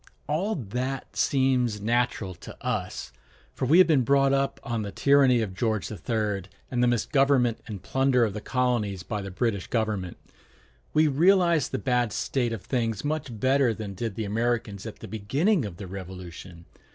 ] All that seems natural to us; for we have been brought up on the tyranny of George III, and the misgovernment and plunder of the colonies by the British government. We realize the bad state of things much better than did the Americans at the beginning of the Revolution.